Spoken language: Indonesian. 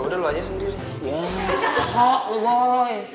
udah lama nih nggak nge ban